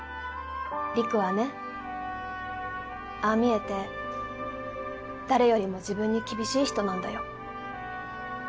陸はねああ見えて誰よりも自分に厳しい人なんだよ